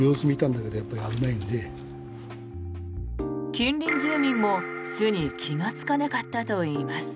近隣住民も巣に気がつかなかったといいます。